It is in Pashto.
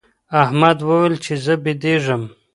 احمد وویل چي زه بېدېږم.